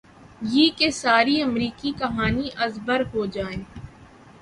گی کہ ساری امریکی کہانی از بر ہو جائے۔